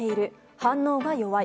反応が弱い。